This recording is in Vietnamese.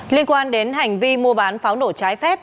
liên quan đến hành vi mua bán pháo nổ trái phép